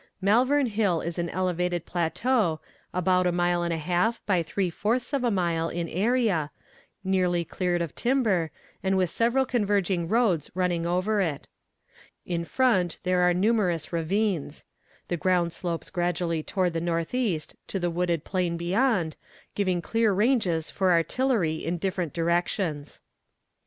Malvern Hill is an elevated plateau, about a mile and a half by three fourths of a mile in area, nearly cleared of timber, and with several converging roads running over it. In front there are numerous ravines. The ground slopes gradually toward the northeast to the wooded plain beyond, giving clear ranges for artillery in different directions.